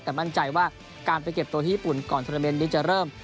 แต่มั่นใจว่าการไปเก็บตัวที่ญี่ปุ่นก่อนโทรเมนต์นี้จะเริ่ม